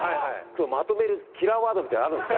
まとめるキラーワードみたいなのあるんですか？